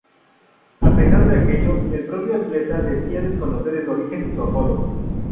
A pesar de aquello, el propio atleta decía desconocer el origen de su apodo.